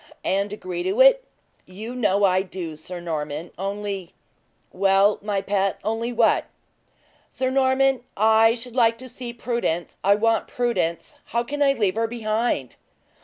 "And agree to it?" "You know I do, Sir Norman; only " "Well, my pet, only what?" "Sir Norman, I should like to see Prudence. I want Prudence. How can I leave her behind?"